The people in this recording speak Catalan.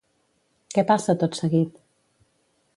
Què passa tot seguit?